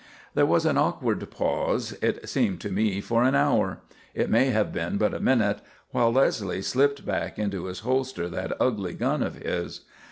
There was an awkward pause, it seemed to me for an hour; it may have been but a minute, while Leslie slipped back into his holster that ugly gun of his.